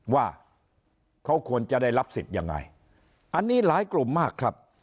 ว่าเขาควรจะได้รับสิทธิ์ยังไงอันนี้หลายกลุ่มมากครับ